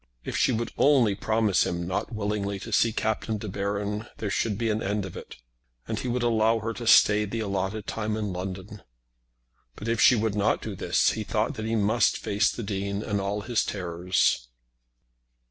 If she would only promise him not willingly to see Captain De Baron there should be an end of it, and he would allow her to stay the allotted time in London; but if she would not do this he thought that he must face the Dean and all his terrors.